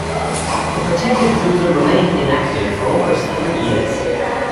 The protected cruiser remained inactive for almost three years.